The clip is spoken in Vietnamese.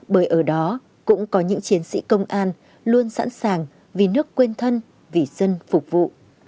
bởi ở đó cũng có những chiến sĩ công an luôn sẵn sàng vì nước quên thân vì dân phục vụ